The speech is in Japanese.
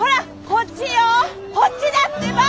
こっちだってば！